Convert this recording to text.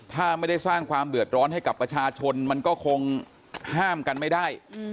ถ้าไม่ได้สร้างความเดือดร้อนให้กับประชาชนมันก็คงห้ามกันไม่ได้